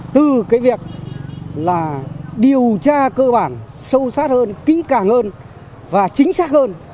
từ việc điều tra cơ bản sâu sát hơn kỹ càng hơn và chính xác hơn